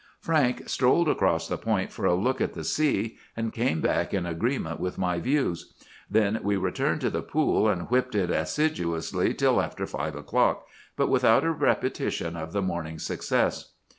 "Frank strolled across the point for a look at the sea, and came back in agreement with my views. Then we returned to the pool, and whipped it assiduously till after five o'clock, but without a repetition of the morning's success.